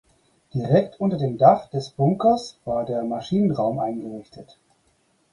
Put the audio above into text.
Direkt unter dem Dach des Bunkers war der Maschinenraum eingerichtet.